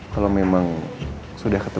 kalau memang sudah ketemu